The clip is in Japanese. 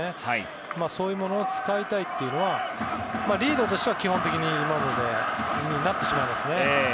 そういうものを使いたいというのはリードとしては、基本的にそうなってしまいますね。